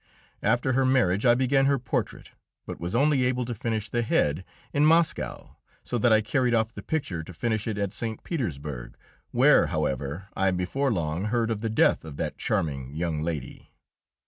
After her marriage I began her portrait, but was only able to finish the head in Moscow, so that I carried off the picture to finish it at St. Petersburg, where, however, I before long heard of the death of that charming young lady.